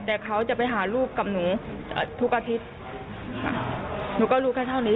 แต่เขาจะไปหาลูกกับหนูทุกอาทิตย์หนูก็รู้แค่เท่านี้